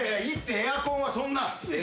エアコンはそんな。